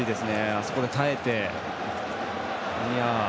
あそこで耐えて。